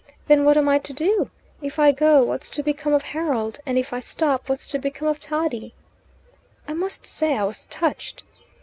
Then what am I to do? If I go, what's to become of Harold; and if I stop, what's to become of Toddie?' I must say I was touched.